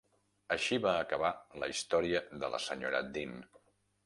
Així va acabar la història de la sra. Dean.